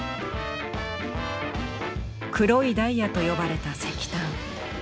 黒いダイヤと呼ばれた石炭。